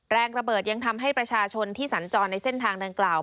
แรงระเบิดยังทำให้ประชาชนที่สัญจรในเส้นทางดังกล่าว